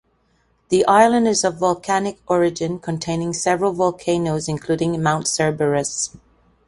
The island is of volcanic origin, containing several volcanoes including Mount Cerberus.